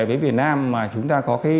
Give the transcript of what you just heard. với việt nam mà chúng ta có